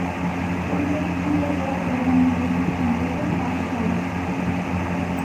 কেন্টের cricketer Graham Johnson সম্পর্কে তার শ্যালক।